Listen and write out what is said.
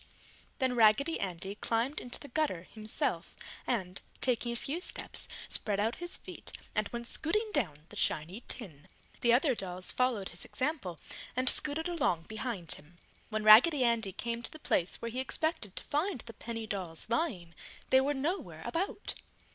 Then Raggedy Andy climbed into the gutter himself and, taking a few steps, spread out his feet and went scooting down the shiny tin. The other dolls followed his example and scooted along behind him. When Raggedy Andy came to the place where he expected to find the penny dolls lying, they were nowhere about.